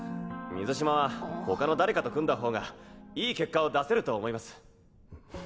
水嶋は他の誰かと組んだほうがいい結果を出せると思います。